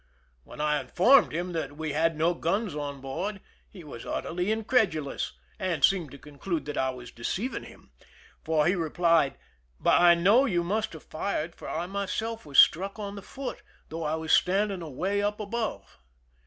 When I informed him that we had no guns on board, he was utterly incredulous, and seemed to conclude that I was deceiving him, for he replied :" But I know you must have fired, for I myself was struck on the foot, though I was standing away up above."